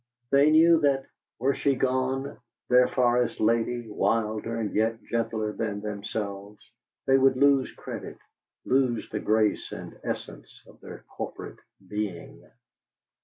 They knew that, were she gone, their forest lady, wilder and yet gentler than themselves they would lose credit, lose the grace and essence of their corporate being.